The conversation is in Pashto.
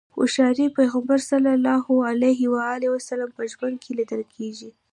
هوښياري پيغمبر علیه السلام په ژوند کې ليدل کېږي.